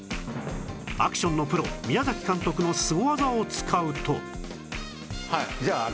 アクションのプロ宮崎監督のスゴ技を使うと